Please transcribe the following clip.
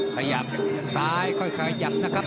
ขยับซ้ายค่อยขยับนะครับ